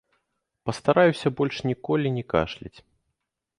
Пастараюся больш ніколі не кашляць.